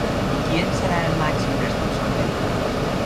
I qui en serà el màxim responsable?